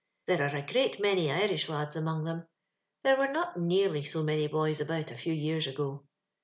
There are a great many Irish lads among tliem. There were not nearly so many boys about a few years ogo.